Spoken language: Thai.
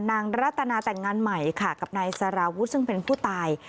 รัตนาแต่งงานใหม่ค่ะกับนายสารวุฒิซึ่งเป็นผู้ตาย